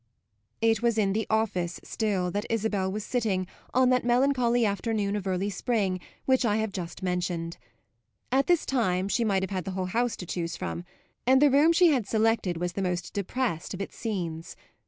It was in the "office" still that Isabel was sitting on that melancholy afternoon of early spring which I have just mentioned. At this time she might have had the whole house to choose from, and the room she had selected was the most depressed of its scenes.